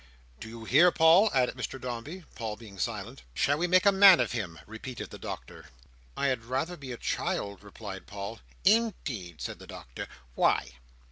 "Do you hear, Paul?" added Mr Dombey; Paul being silent. "Shall we make a man of him?" repeated the Doctor. "I had rather be a child," replied Paul. "Indeed!" said the Doctor. "Why?"